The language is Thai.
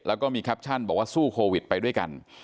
แล้วก็มีแคปชั่นบอกว่าสู้โควิดไปด้วยกัน